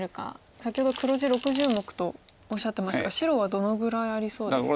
先ほど黒地６０目とおっしゃってましたが白はどのぐらいありそうですか？